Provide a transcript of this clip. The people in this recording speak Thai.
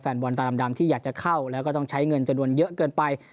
บอลตาดำที่อยากจะเข้าแล้วก็ต้องใช้เงินจำนวนเยอะเกินไป